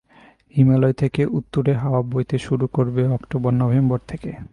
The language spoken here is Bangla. হিমালয় থেকে উত্তুরে হাওয়া বইতে শুরু করবে অক্টোবর নভেম্বর থেকে।